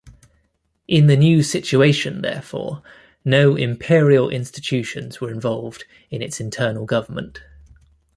In the new situation therefore, no Imperial institutions were involved in its internal government.